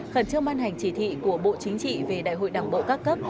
khẩn trương ban hành chỉ thị của bộ chính trị về đại hội đảng bộ các cấp